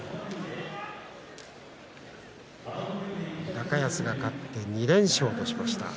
高安が勝って２連勝としました。